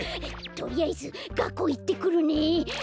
とりあえずがっこういってくるね。